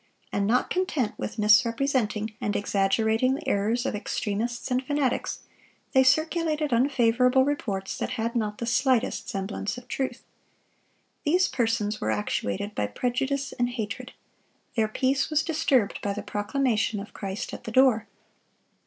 And not content with misrepresenting and exaggerating the errors of extremists and fanatics, they circulated unfavorable reports that had not the slightest semblance of truth. These persons were actuated by prejudice and hatred. Their peace was disturbed by the proclamation of Christ at the door.